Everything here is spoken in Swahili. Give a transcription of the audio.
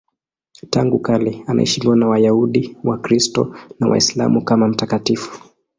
Tangu kale anaheshimiwa na Wayahudi, Wakristo na Waislamu kama mtakatifu.